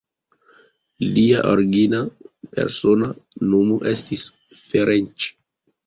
Lia origina persona nomo estis Ferenc.